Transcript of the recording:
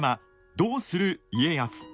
「どうする家康」。